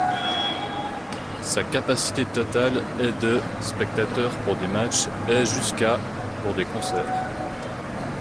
Sa capacité totale est de spectateurs pour des matchs et jusqu'à pour des concerts.